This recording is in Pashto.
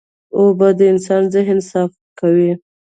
اوبه د انسان ذهن صفا کوي.